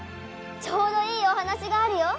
ちょうどいいおはなしがあるよ！